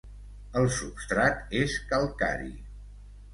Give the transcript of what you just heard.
El substrat és calcari.